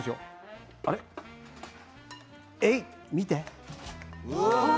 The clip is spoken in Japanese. えいっ、見て。